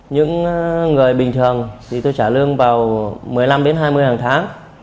những người bình thường thì tôi trả lương vào một mươi năm đến hai mươi hàng tháng